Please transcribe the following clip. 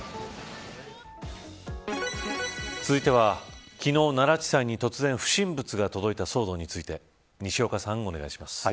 続いては昨日、奈良地裁に突然、不審物が届いた騒動について西岡さん、お願いします。